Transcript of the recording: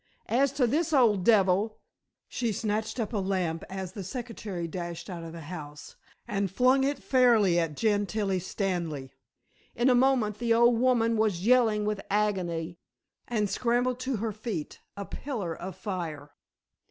As to this old devil " she snatched up a lamp as the secretary dashed out of the house, and flung it fairly at Gentilla Stanley. In a moment the old woman was yelling with agony, and scrambled to her feet a pillar of fire.